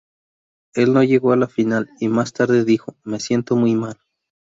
Él no llegó a la final, y más tarde, dijo: "Me siento muy mal".